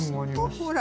ほら。